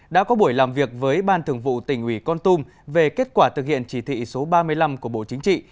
đã có buổi làm việc với ban thường vụ tỉnh ủy con tum về kết quả thực hiện chỉ thị số ba mươi năm của bộ chính trị